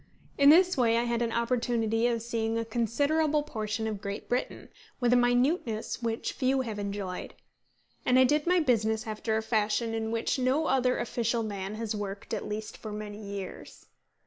In this way I had an opportunity of seeing a considerable portion of Great Britain, with a minuteness which few have enjoyed. And I did my business after a fashion in which no other official man has worked, at least for many years.